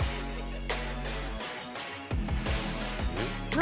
何？